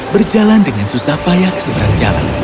berjalan dengan susah payah seberang jalan